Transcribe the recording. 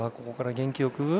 ここから元気よく。